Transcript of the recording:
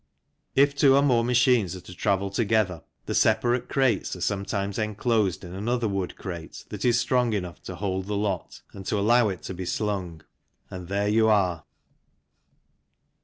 If two or more machines are to travel together the separate crates are sometimes enclosed in another wood crate that is strong enough to hold the lot and to allow it to be slung, and there you are.